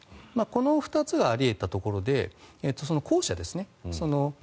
この２つがあり得たところでその後者ですね。